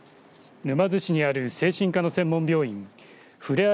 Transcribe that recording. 沼津市にある精神科の専門病院ふれあい